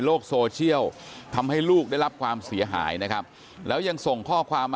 แล้วก็ถ่ายคลิปเอ้ยด้วยนะครับ